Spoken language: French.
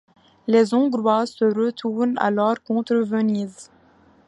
Les Hongrois se retourne alors contre Venise.